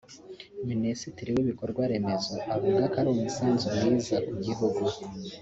Minisitiri w’ibikorwa remezo avuga ko ari umusanzu mwiza ku ku gihugu